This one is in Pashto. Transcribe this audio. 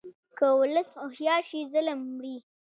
که ولس هوښیار شي، ظلم مري.